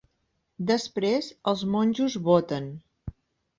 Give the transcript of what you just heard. Després els monjos voten.